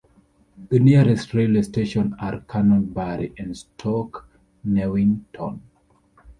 The nearest railway stations are Canonbury and Stoke Newington.